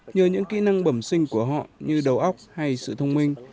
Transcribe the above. nhờ những kỹ năng bẩm sinh của họ như đầu óc hay sự thông minh